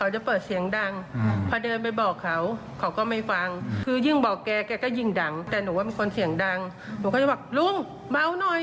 ใช่ค่ะลองฟังเธอหน่อยไหม